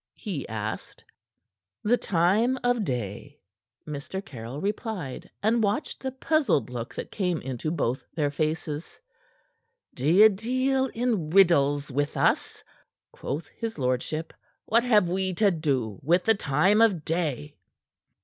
he asked. "The time of day," Mr. Caryll replied, and watched the puzzled look that came into both their faces. "Do ye deal in riddles with us?" quoth his lordship. "What have we to do with the time of day?"